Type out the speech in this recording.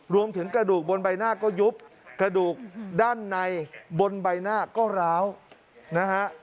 กระดูกบนใบหน้าก็ยุบกระดูกด้านในบนใบหน้าก็ร้าวนะฮะ